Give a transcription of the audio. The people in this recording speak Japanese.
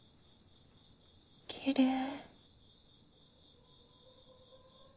きれい。